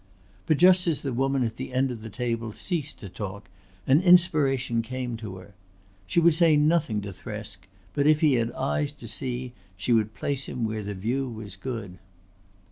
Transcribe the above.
But just as the woman at the end of the table ceased to talk an inspiration came to her. She would say nothing to Thresk, but if he had eyes to see she would place him where the view was good.